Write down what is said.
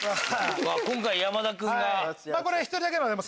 今回山田君が。